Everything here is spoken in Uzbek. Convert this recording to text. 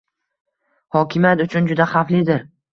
hokimiyat uchun juda xavflidir: